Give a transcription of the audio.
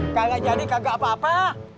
kalau jadi kagak apa apa